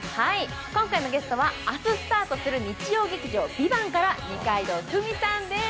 今回のゲストは明日スタートする日曜劇場「ＶＩＶＡＮＴ」から、二階堂ふみさんです。